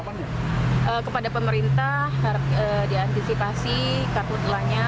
karena kepada pemerintah diantisipasi kabut asapnya